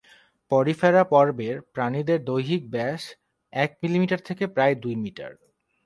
Porifera পর্বের প্রাণীদের দৈহিক ব্যাস এক মিলিমিটার থেকে প্রায় দুই মিটার।